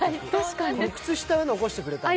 靴下は残してくれたんだ。